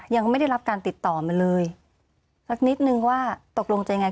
ยังไม่ได้รับการติดต่อมาเลยสักนิดนึงว่าตกลงจะยังไง